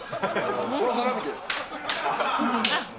この腹見て。